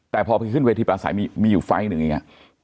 แต่พอไปขึ้นเวทีปลาใสมีอยู่ไฟล์หนึ่งอย่างนี้